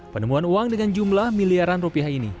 penemuan uang dengan jumlah miliaran rupiah ini